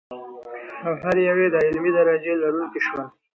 او هر یو یې د علمي درجې لرونکي شول.